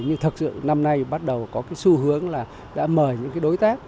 nhưng thật sự năm nay bắt đầu có cái xu hướng là đã mời những cái đối tác